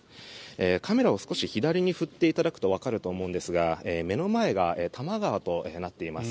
カメラを少し左に振っていただくとわかると思うんですが目の前が多摩川となっています。